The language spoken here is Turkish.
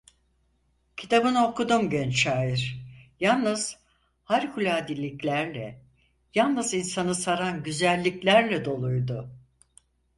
Kitabını okudum genç şair, yalnız harikuladeliklerle, yalnız insanı saran güzelliklerle doluydu.